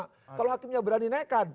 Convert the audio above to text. kalau hakimnya berani naikkan